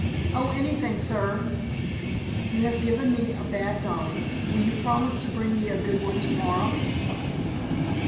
"Oh, anything, sir." "You have given me a bad dollar. Will you promise to bring me a good one to morrow?"